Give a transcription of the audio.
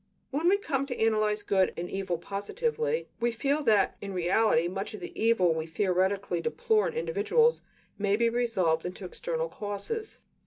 When we come to analyze good and evil positively, we feel that in reality much of the "evil" we theoretically deplore in individuals may be resolved into external causes.